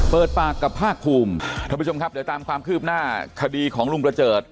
เปิดปากกับภาคภูมิท่านผู้ชมครับเดี๋ยวตามความคืบหน้าคดีของลุงประเจิด